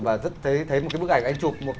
và thấy một cái bức ảnh anh chụp